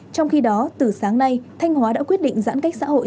trong khi đó từ sáng nay thanh hóa đã quyết định giãn cách xã hội